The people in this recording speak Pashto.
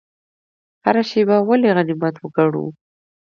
هره شیبه ولې غنیمت وګڼو؟